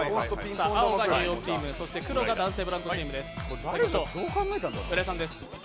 青がニューヨークチーム、黒が男性ブランコチームです。